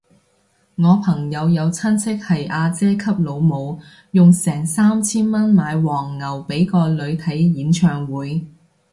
我朋友有親戚係阿姐級老母，用成三千蚊買黃牛俾個女睇演唱會